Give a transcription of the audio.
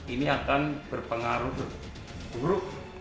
ini akan berpengaruh buruk